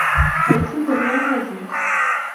Ҳаицызар иамази?!